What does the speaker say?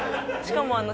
しかも。